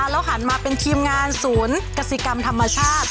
แล้วหันมาเป็นทีมงานศูนย์กษิกรรมธรรมชาติ